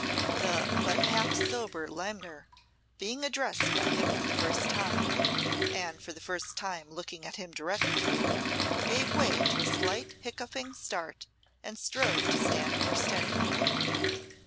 The but half sober limner being addressed by him for the first time, and for the first time looking at him directly, gave way to a slight hiccoughing start and strove to stand more steady.